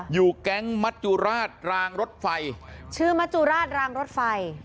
อยู่แก๊งมัจจุราชรางรถไฟชื่อมัจจุราชรางรถไฟ